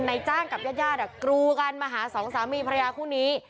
นายจ้างกับญาติกรูกันมาหาสองสามีภรรยาคู่นี้